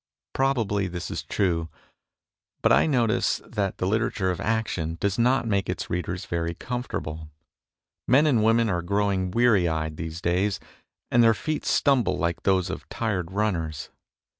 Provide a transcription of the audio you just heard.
Probably this is true, but I notice that the literature of action does not make its readers very comfortable. Men and women are growing weary eyed these days, and their feet stumble like those of tired runners.